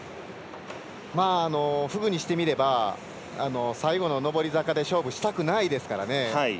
フグにしてみれば最後の上り坂で勝負をしたくないですからね。